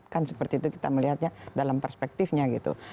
kan seperti itu kita melihatnya dalam perspektifnya gitu